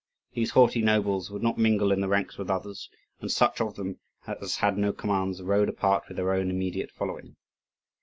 These haughty nobles would not mingle in the ranks with others, and such of them as had no commands rode apart with their own immediate following.